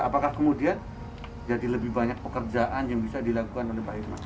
apakah kemudian jadi lebih banyak pekerjaan yang bisa dilakukan oleh pak irma